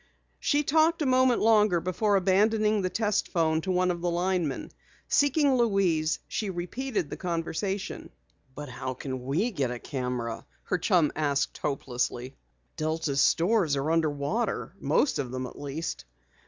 She talked a moment longer before abandoning the test 'phone to one of the linemen. Seeking Louise, she repeated the conversation. "But how can we get a camera?" her chum asked hopelessly. "Delta's stores are under water most of them at least."